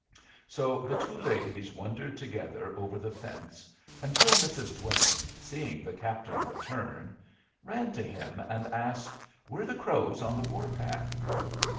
So the two ladies wondered together over the fence, until Mrs. Duane, seeing the Captain return, ran to him and asked, were the Crows on the war path?